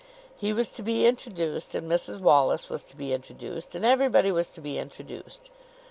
He was to be introduced, and Mrs Wallis was to be introduced, and everybody was to be introduced.